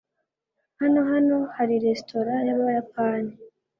hano hano hari resitora yabayapani